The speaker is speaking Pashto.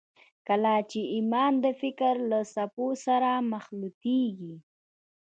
کله چې ايمان د فکر له څپو سره مخلوطېږي.